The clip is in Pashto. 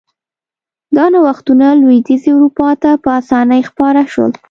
دا نوښتونه لوېدیځې اروپا ته په اسانۍ خپاره شول.